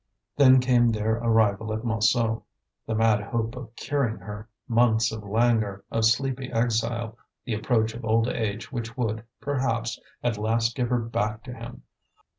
Then came their arrival at Montsou, the mad hope of curing her, months of languor, of sleepy exile, the approach of old age which would, perhaps, at last give her back to him.